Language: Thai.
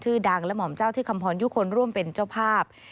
ดังและห่อมเจ้าที่คำพรยุคลร่วมเป็นเจ้าภาพ